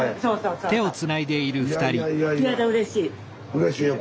うれしいよ。